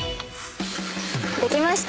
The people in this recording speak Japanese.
「できました！」